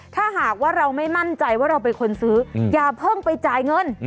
ถ้าหากว่าเราไม่มั่นใจว่าเราเป็นคนซื้ออย่าเพิ่งไปจ่ายเงิน